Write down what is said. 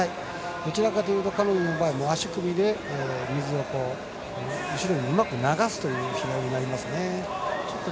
どちらかというと彼女の場合は足首で後ろにうまく流すという平泳ぎになりますね。